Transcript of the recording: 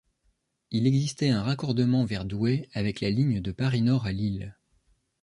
Il existait un raccordement vers Douai avec la ligne de Paris-Nord à Lille.